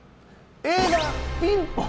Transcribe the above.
映画「ピンポン」